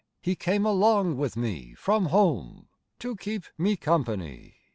He came along with me from home To keep me company.